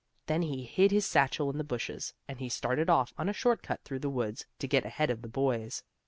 Then he hid his satchel in the bushes, and he started off on a short cut through the woods, to get ahead of the boys.